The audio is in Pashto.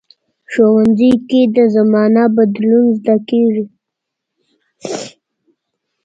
ښوونځی کې د زمانه بدلون زده کېږي